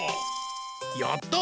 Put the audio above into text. やった！